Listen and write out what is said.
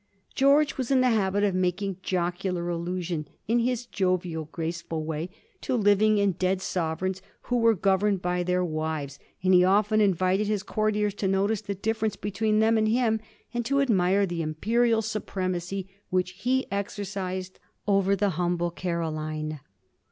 George was in the habit of making jocular allusion, in his jovial, graceful way, to living and dead sove reigns who were governed by their wives, and he often invited his courtiers to notice the difference between them and him, and to admire the imperial supremacy which he exercised over the humble Caro line.